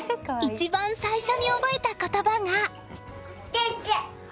一番最初に覚えた言葉が。